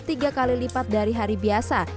tiga kali lipat dari hari biasa